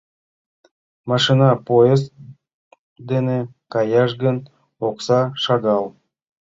Машина, поезд дене каяш гын, окса шагал.